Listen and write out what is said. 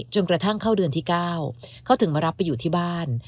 จนกระทั่งเข้าเดือนที่๙เขาถึงมารับไปอยู่ที่บ้าน